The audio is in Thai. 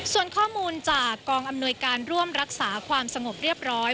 ส่วนข้อมูลจากกองอำนวยการร่วมรักษาความสงบเรียบร้อย